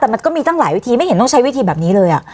แต่มันก็มีตั้งหลายวิธีไม่เห็นต้องใช้วิธีแบบนี้เลย